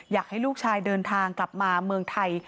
อยากให้ลูกชายเดินทางกลับมาเมืองไทย